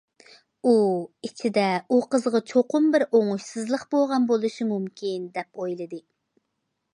ئۇ ئىچىدە ئۇ قىزغا چوقۇم بىر ئوڭۇشسىزلىق بولغان بولۇشى مۇمكىن دەپ ئويلىدى.